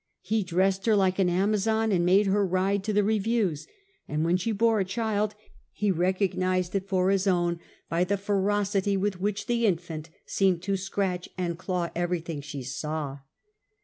He dressed her like an Amazon and made her ride to the reviews; and when she bore a child he recognised it for his own by the ferocity with which the infant seemed to scratch and claw everything she saw.